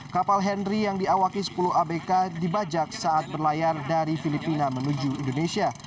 kapal henry yang diawaki sepuluh abk dibajak saat berlayar dari filipina menuju indonesia